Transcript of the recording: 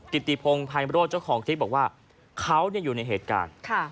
กิตตีพงภายมรถเจ้าของคลิปบอกว่าเขาเนี้ยอยู่ในเหตุการณ์ค่ะ